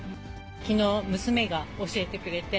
きのう、娘が教えてくれて。